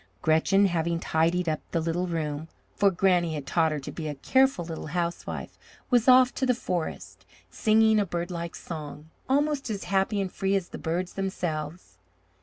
Gretchen having tidied up the little room for Granny had taught her to be a careful little housewife was off to the forest, singing a birdlike song, almost as happy and free as the birds themselves.